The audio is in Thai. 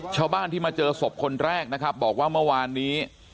ชาวบ้านที่มาเจอศพคนแรกนะครับบอกว่าเมื่อวานนี้